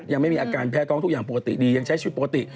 ยังไม่มีอาการแพ้ท้องทุกอย่างปกติดียังใช้ชีวิตปกติ